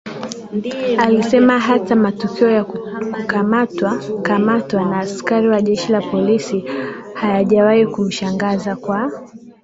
alisema hata matukio ya kukamatwakamatwa na askari wa Jeshi la Polisi hayajawahi kumshangaza kwa